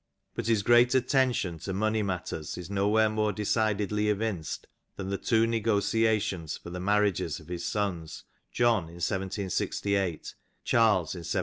But his great attention to money matters is nowhere more decidedly evinced than in the two negotiations for the marriages of his sons, John in 1 768, Charles in 1773.